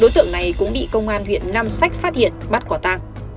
đối tượng này cũng bị công an huyện nam sách phát hiện bắt quả tang